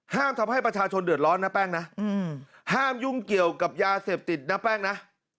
ทำให้ประชาชนเดือดร้อนนะแป้งนะห้ามยุ่งเกี่ยวกับยาเสพติดนะแป้งนะ